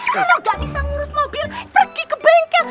kalau gak bisa ngurus mobil pergi ke bengkel